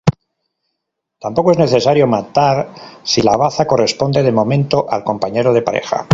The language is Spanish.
Tampoco es necesario matar si la baza corresponde de momento al compañero de pareja.